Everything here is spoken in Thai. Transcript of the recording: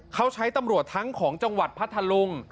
เขาใช้ตำรวจทั้งของจังหวัดพัทธลุง